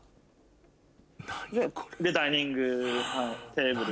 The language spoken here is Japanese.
でダイニングテーブル。